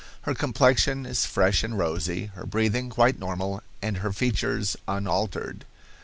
Her complexion is fresh and rosy, her breathing quite normal, and her features unaltered.